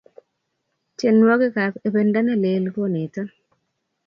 tienwokik ap ependo nelel koneto